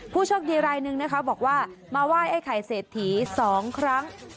ผู้โชคดีรายหนึ่งนะคะบอกว่ามาไหว้ไอ้ไข่เศรษฐี๒ครั้ง